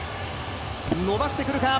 伸ばしてくるか？